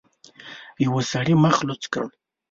يوه سړي مخ لوڅ کړ.